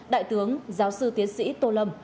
đại tướng giáo sư tiến sĩ tô lâm